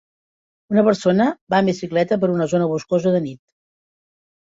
Una persona va amb bicicleta per una zona boscosa de nit.